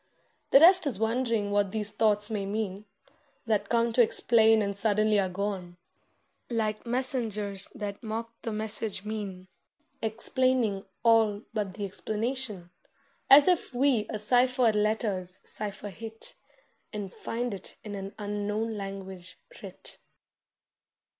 The rest is wondering what these thoughts may mean, That come to explain and suddenly are gone, Like messengers that mock the message' mien, Explaining all but the explanation; As if we a ciphered letter's cipher hit And find it in an unknown language writ.